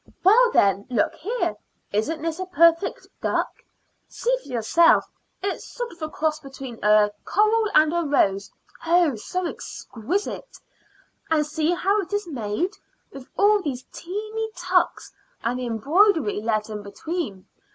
"Well, then, look here. Isn't this a perfect duck? See for yourself. It's a sort of cross between a coral and a rose oh, so exquisite! And see how it is made, with all these teeny tucks and the embroidery let in between.